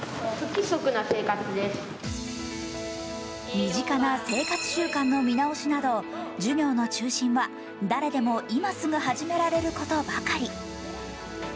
身近な生活習慣の見直しなど授業の中心は誰でも今すぐ始められることばかり。